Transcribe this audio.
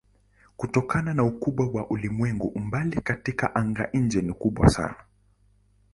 Kutokana na ukubwa wa ulimwengu umbali katika anga-nje ni kubwa sana.